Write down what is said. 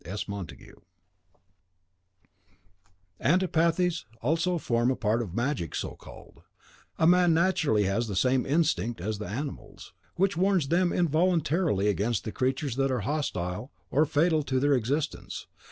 S. Montague. Antipathies also form a part of magic (falsely) so called. Man naturally has the same instinct as the animals, which warns them involuntarily against the creatures that are hostile or fatal to their existence.